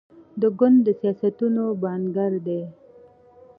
د ګنده سیاستونو بیانګر دي.